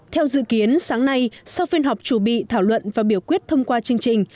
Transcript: theo dự kiến sáng nay sau phiên họp chủ bị thảo luận và biểu quyết thông qua chương trình